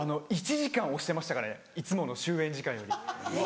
１時間押してましたからねいつもの終演時間より。